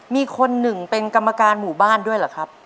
มีคนหนึ่งเป็นกรรมการหมู่บ้านด้วยเหรอครับ